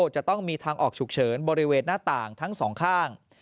จะต้องมีทางออกฉุกเฉินบริเวณหน้าต่างทั้งสองข้าง